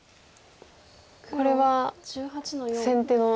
これは先手の。